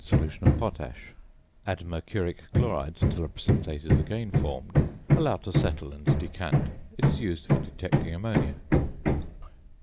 solution of potash; add mercuric chloride till a precipitate is again formed; allow to settle and decant. It is used for detecting ammonia.